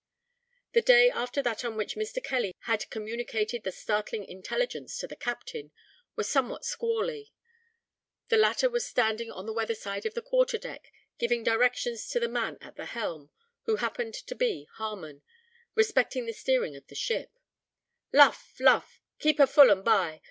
The day after that on which Mr. Kelly had communicated the startling intelligence to the captain, was somewhat squally. The latter was standing on the weather side of the quarter deck, giving directions to the man at the helm (who happened to be Harmon) respecting the steering of the ship: "Luff! luff! keep her full and by!